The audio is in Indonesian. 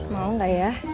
mau nggak ya